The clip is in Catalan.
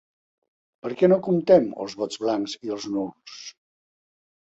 Per què no comptem els vots blancs i els nuls?